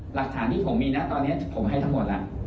หลักฐานที่ผมมีนะตอนนี้ผมให้ทั้งหมดแล้ว